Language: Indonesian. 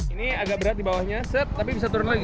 ini agak berat di bawahnya set tapi bisa turun lagi